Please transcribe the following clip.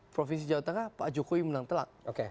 provinsi jawa tengah pak jokowi menang telak